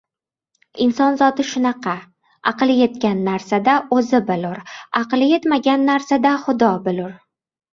Inson zoti shunaqa: aqli yetgan narsada o‘zi bilur, aqli yetmagan narsada Xudo bilur.